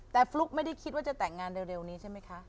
แต่ฟลุ๊กไม่ได้คิดว่าจะแต่งงานเร็วนี้ใช่ไหมคะ